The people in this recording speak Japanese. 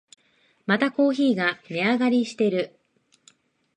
またコーヒーが値上がりしてる